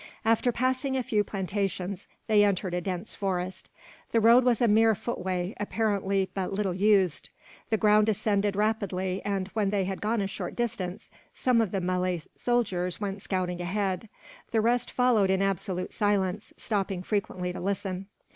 After passing a few plantations, they entered a dense forest. The road was a mere footway, apparently but little used. The ground ascended rapidly and, when they had gone a short distance, some of the Malay soldiers went scouting ahead; the rest following in absolute silence, stopping frequently to listen.